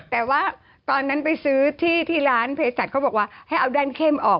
แต่ว่าตอนนั้นไปซื้อที่ที่ร้านเพศัตริย์เขาบอกว่าให้เอาด้านเข้มออก